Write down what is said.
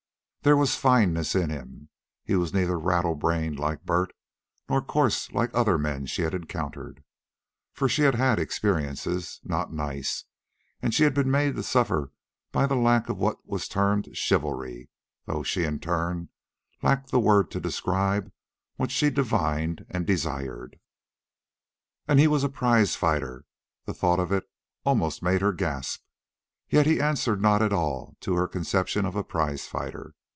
There was fineness in him. He was neither rattle brained, like Bert, nor coarse like other men she had encountered. For she had had experiences, not nice, and she had been made to suffer by the lack of what was termed chivalry, though she, in turn, lacked that word to describe what she divined and desired. And he was a prizefighter. The thought of it almost made her gasp. Yet he answered not at all to her conception of a prizefighter.